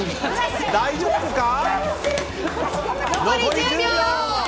大丈夫か？